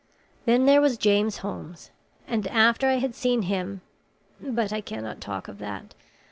Then there was James Holmes, and after I had seen him But I cannot talk of that.